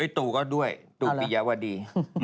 ตูก็ด้วยตูปิยาวดี